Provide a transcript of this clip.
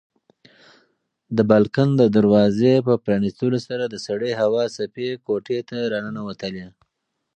د بالکن د دروازې په پرانیستلو سره د سړې هوا څپې کوټې ته راننوتلې.